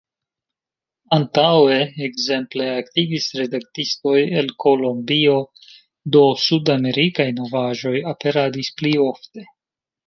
Antaŭe ekzemple aktivis redaktisto el Kolombio, do sudamerikaj novaĵoj aperadis pli ofte.